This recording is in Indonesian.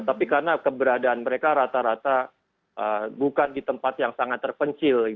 tapi karena keberadaan mereka rata rata bukan di tempat yang sangat terpencil